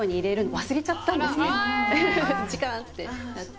時間！ってなって。